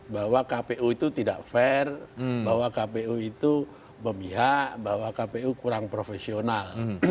bahwa kpu itu tidak fair bahwa kpu itu memihak bahwa kpu kurang profesional